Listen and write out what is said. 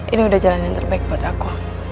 ini udah jalan yang terbaik buat aku